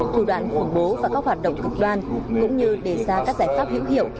thủ đoạn khủng bố và các hoạt động cực đoan cũng như đề ra các giải pháp hữu hiệu